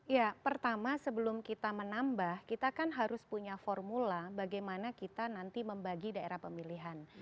ya pertama sebelum kita menambah kita kan harus punya formula bagaimana kita nanti membagi daerah pemilihan